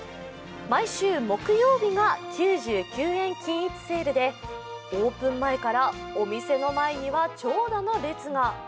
毎週木曜日が９９円均一セールで、オープン前からお店の前には長蛇の列が。